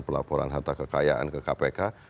pelaporan harta kekayaan ke kpk